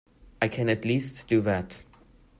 I can at least do that.